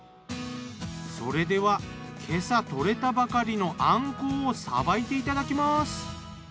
それでは今朝獲れたばかりのアンコウをさばいていただきます。